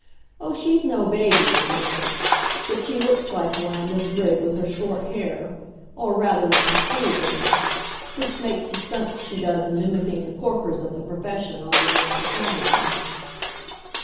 Oh, she's no baby, is Nance, but she looks like one in this rig with her short hair or rather, like a school girl; which makes the stunts she does in mimicking the corkers of the profession all the more surprising.